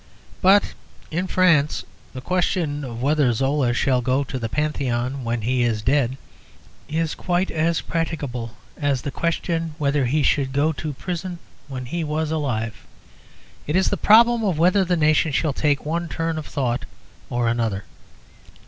But in France the question of whether Zola shall go to the Panthéon when he is dead is quite as practicable as the question whether he should go to prison when he was alive. It is the problem of whether the nation shall take one turn of thought or another.